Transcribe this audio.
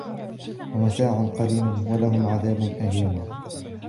مَتَاعٌ قَلِيلٌ وَلَهُمْ عَذَابٌ أَلِيمٌ